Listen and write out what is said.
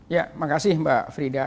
ya makasih mbak frida